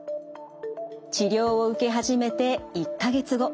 治療を受け始めて１か月後。